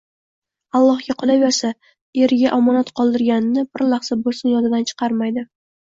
Allohga, qolaversa eriga omonat qoldirganini bir lahza bo'lsin yodidan chiqarmaydi.